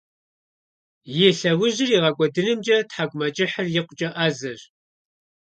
И лъэужьыр игъэкIуэдынымкIэ тхьэкIумэкIыхьыр икъукIэ Iэзэщ.